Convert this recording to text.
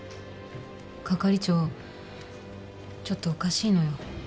係長ちょっとおかしいのよ。